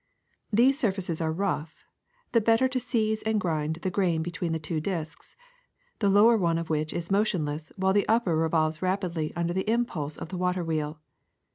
These surfaces are rough, the bet ter to seize and grind the grain between the two disks, the lower one of which is motionless, while the upper revolves rapidly under the impulse of the water wheel.